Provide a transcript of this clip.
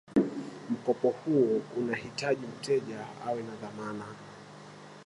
mkopo huo unahiji mteja awe na dhamana